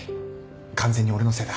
完全に俺のせいだ。